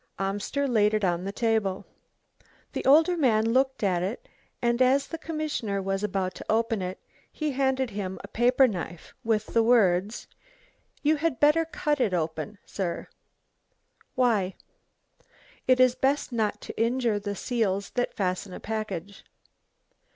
Amster laid it on the table. The older man looked at it, and as the commissioner was about to open it, he handed him a paper knife with the words: "You had better cut it open, sir." "Why?" "It is best not to injure the seals that fasten a package."